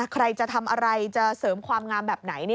ใครจะทำอะไรจะเสริมความงามแบบไหน